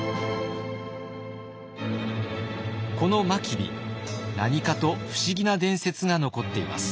この真備何かと不思議な伝説が残っています。